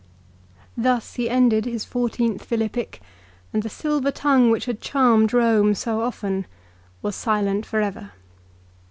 Thus he ended his fourteenth Philippic, and the silver tongue which had charmed Rome so often was silent for ever.